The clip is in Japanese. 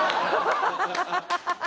ハハハハハ！